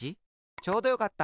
ちょうどよかった！